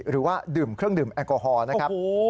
หรือว่าดื่มเครื่องดื่มแอลกอฮอล์นะครับ